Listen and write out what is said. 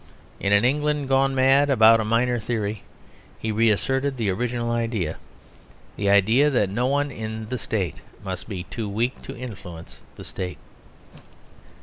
In an England gone mad about a minor theory he reasserted the original idea the idea that no one in the State must be too weak to influence the State.